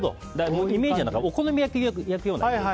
イメージはお好み焼きを焼く感じ。